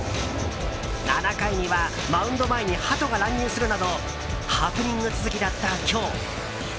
７回にはマウンド前にハトが乱入するなどハプニング続きだった今日。